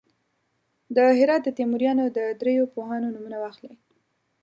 د هرات د تیموریانو د دریو پوهانو نومونه واخلئ.